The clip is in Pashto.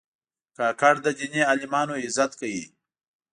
کاکړ د دیني عالمانو عزت کوي.